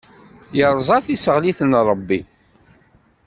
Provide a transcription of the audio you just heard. Iṛẓa tiseɣlit n Ṛebbi.